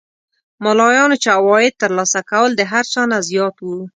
ملایانو چې عواید تر لاسه کول د هر چا نه زیات وو.